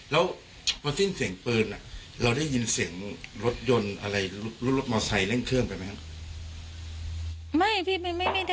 แล้วพอสิ้นเสียงปืนเราได้ยินเสียงรถยนต์อะไรรถมอไซคเร่งเครื่องไปไหมครับ